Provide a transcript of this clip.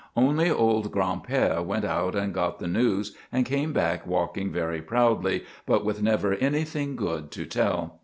Only old Gran'père went out and got the news and came back walking very proudly but with never anything good to tell.